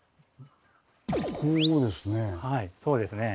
こうですね。